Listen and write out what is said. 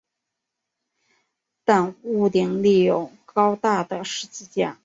但屋顶立有高大的十字架。